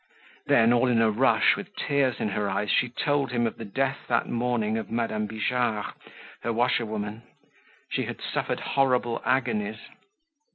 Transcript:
Then, all in a rush, with tears in her eyes, she told him of the death that morning of Madame Bijard, her washerwoman. She had suffered horrible agonies.